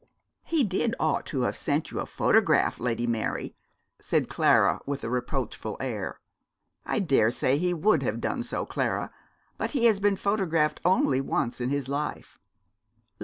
'He did ought to have sent you his photograph, Lady Mary,' said Clara, with a reproachful air. 'I daresay he would have done so, Clara, but he has been photographed only once in his life.'